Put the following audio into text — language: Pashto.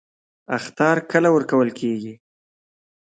اخطار کله ورکول کیږي؟